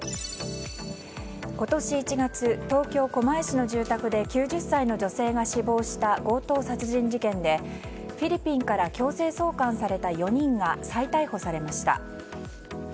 今年１月、東京・狛江市の住宅で９０歳の女性が死亡した強盗殺人事件でフィリピンから強制送還された４人が再逮捕されました。